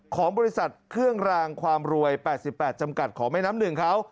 ของบริษัทเครื่องรางความรวย๘๘จำกัดของแม่น้ำหนึ่งเขา